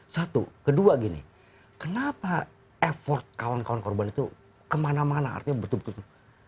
satu kedua gini kenapa effort kawan kawan korban itu kemana mana artinya betul betul